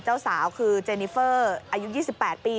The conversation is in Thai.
เจ้าสาวคือเจนิเฟอร์อายุ๒๘ปี